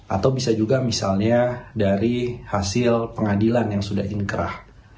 atau bisa juga misalnya dari hasil pengadilan yang sudah inkrah